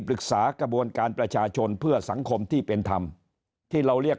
กระบวนการประชาชนเพื่อสังคมที่เป็นธรรมที่เราเรียก